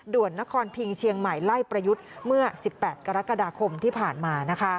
นครพิงเชียงใหม่ไล่ประยุทธ์เมื่อ๑๘กรกฎาคมที่ผ่านมา